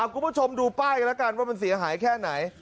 คุณผู้ชมดูป้ายกันแล้วกันว่ามันเสียหายแค่ไหน